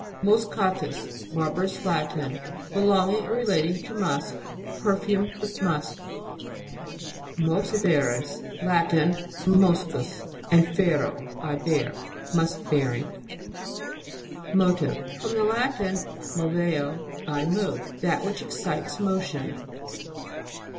MOSCHATUS. Barbarous Latin. Be longing or relating to musk, fumed with musk. Per MOSCHIFERUS. Latin. From moschus, and/ero, I bear. Musk bearing. MOTIVE. From the Latin, moveo, I move. That which excites motion.